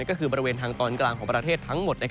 ก็คือบริเวณทางตอนกลางของประเทศทั้งหมด